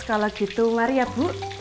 kalau gitu mari ya bu